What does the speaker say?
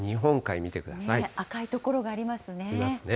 赤い所がありますね。